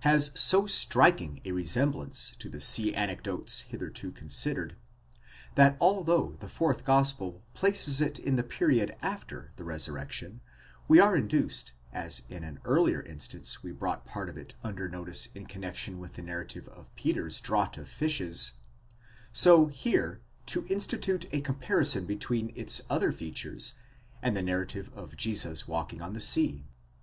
has so striking a resemblance to the sea anecdotes hitherto considered, that although the fourth gospel places it in the period after the resurrection, we are induced, as in an earlier instance we brought part of it under notice in connexion with the narrative of Peter's draught of fishes, so here to institute a comparison between its other features, and the narrative of Jesus walking on the sea.